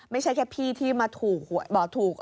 ไม่ใช่แค่พี่ที่มาถูก